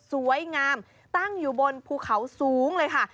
สวยงามตั้งอยู่บนภูเขาสูงเลยค่ะ